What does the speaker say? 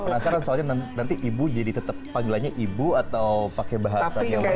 penasaran soalnya nanti ibu jadi tetap panggilannya ibu atau pakai bahasa yang lain